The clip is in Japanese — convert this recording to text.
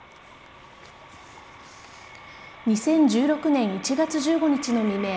２０１６年１月１５日の未明